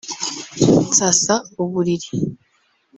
nsasa uburiri